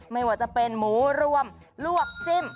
ไม่ว่าจะเป็นหมูรวมลวกจิ้ม